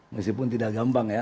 meskipun tidak gampang ya